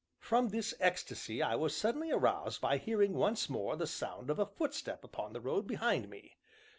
From this ecstasy I was suddenly aroused by hearing once more the sound of a footstep upon the road behind me.